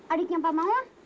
adiknya pak mangun